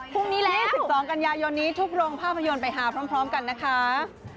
พรุ่งนี้แล้ว๑๒กันยายนนี้ทุกโรงภาพยนตร์ไปหาพร้อมกันนะคะ